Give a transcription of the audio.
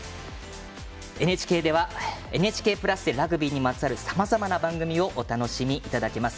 ＮＨＫではＮＨＫプラスでラグビーにまつわるさまざまな番組をお楽しみいただけます。